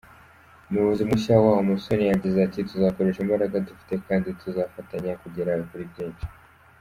Umuyobozi mushya wawo Musoni yagize ati“Tuzakoresha imbaraga dufite kandi tuzafatanya kugera kuri byinshi.